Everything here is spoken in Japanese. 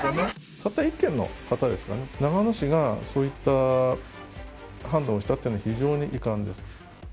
たった１軒の方ですかね、長野市がそういった判断をしたっていうのは非常に遺憾です。